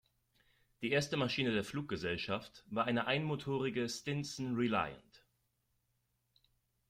Die erste Maschine der Fluggesellschaft war eine einmotorige Stinson Reliant.